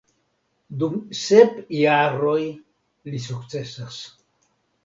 Dum sep jaroj li sukcesas.